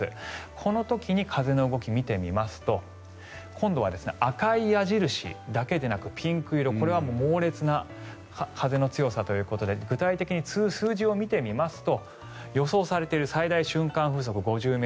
この時に風の動きを見てみますと今度は赤い矢印だけでなくピンク色これは猛烈な風の強さということで具体的に数字を見てみますと予想されている最大瞬間風速、５０ｍ。